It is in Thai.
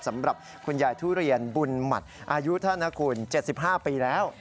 สำหรับคุณยายทุเรียนบุญหมัดอายุท่านนะคุณ๗๕ปีแล้ว